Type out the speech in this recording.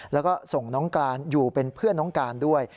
แล้วก็ส่งน้องการอยู่เป็นเพื่อนน้องการด้วย